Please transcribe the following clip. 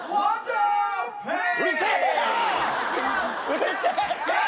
うるせえよ！！